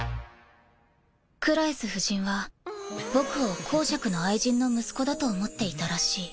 クラエス夫人は僕を公爵の愛人の息子だと思っていたらしい。